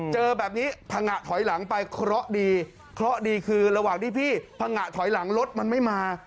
เจอแบบนี้พังงะถอยหลังไปเคราะห์ดีเคราะห์ดีคือระหว่างที่พี่ผงะถอยหลังรถมันไม่มา